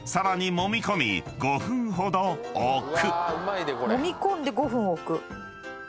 もみ込んで５分置く。